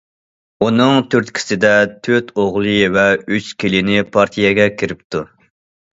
ئۇنىڭ تۈرتكىسىدە تۆت ئوغلى ۋە ئۈچ كېلىنى پارتىيەگە كىرىپتۇ.